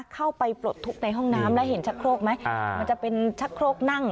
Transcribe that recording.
ปลดทุกข์ในห้องน้ำแล้วเห็นชะโครกไหมมันจะเป็นชักโครกนั่ง